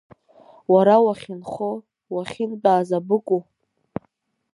Уара уахьынхо, уахьынтәааз абыкәу?